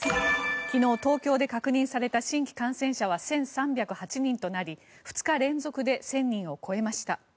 昨日、東京で確認された新規感染者は１３０８人となり２日連続で１０００人を超えました。